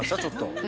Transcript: ちょっと。